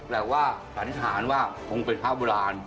แต่ว่าสันธาณว่าองค์เป็นพระอบราณ